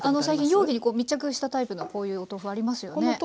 最近容器に密着したタイプのこういうお豆腐ありますよね？